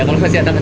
kalau masih smp